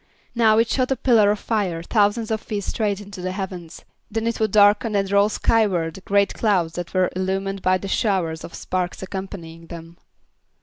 Now it shot a pillar of fire thousands of feet straight into the heavens; then it would darken and roll skyward great clouds that were illumined by the showers of sparks accompanying them.